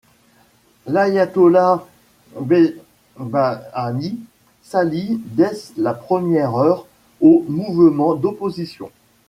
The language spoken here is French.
L'ayatollah Behbahani s'allie dès la première heure au mouvement d'opposition.